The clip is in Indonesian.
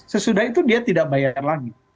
sesudah itu dia tidak bayar lagi